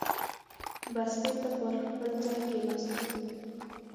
بس بېرته پر خپل ځای کېناستم.